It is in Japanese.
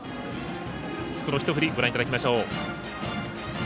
そのひと振りご覧いただきましょう。